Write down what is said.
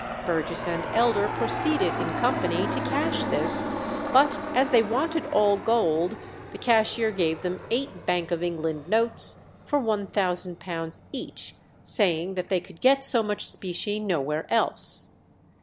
Burgess and Elder proceeded in company to cash this, but as they wanted all gold, the cashier gave them eight Bank of England notes for £1000 each, saying that they could get so much specie nowhere else.